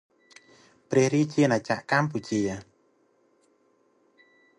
ព្រះរាជាណាចក្រកម្ពុជា